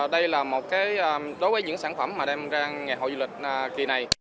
đây là một đối với những sản phẩm mà đem ra ngày hội du lịch kỳ này